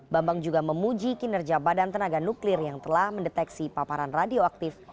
bambang juga memuji kinerja badan tenaga nuklir yang telah mendeteksi paparan radioaktif